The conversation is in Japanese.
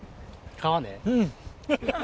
皮ね。